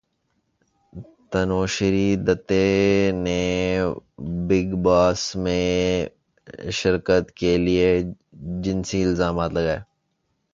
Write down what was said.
تنوشری دتہ نے بگ باس میں شرکت کیلئے جنسی الزامات لگائے